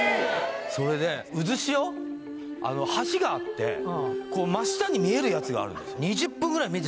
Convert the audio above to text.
それで渦潮橋があって真下に見えるやつがあるんですよ